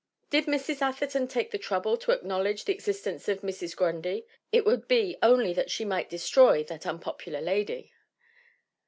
Did Mrs. Atherton take the trouble to acknowledge the exist ence of Mrs. Grundy, it would be only that she might destroy that unpopular lady.